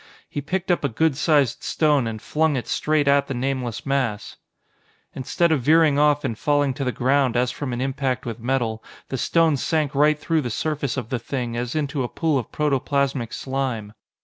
He picked up a good sized stone and flung it straight at the nameless mass! Instead of veering off and falling to the ground as from an impact with metal, the stone sank right through the surface of the Thing as into a pool of protoplastic slime.